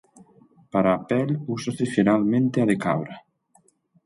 Para a pel úsase xeralmente a de cabra.